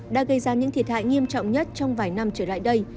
đã gây ra những thiệt hại nghiêm trọng nhất trong vài năm trở lại đây